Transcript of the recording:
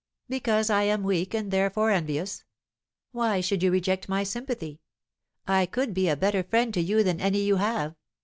"Because I am weak, and therefore envious. Why should you reject my sympathy? I could be a better friend to you than any you have.